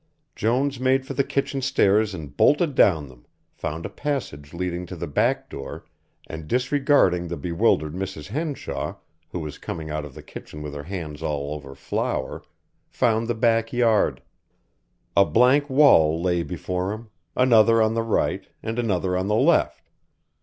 Jones made for the kitchen stairs and bolted down them, found a passage leading to the back door, and, disregarding the bewildered Mrs. Henshaw, who was coming out of the kitchen with her hands all over flour, found the back yard. A blank wall lay before him, another on the right, and another on the left.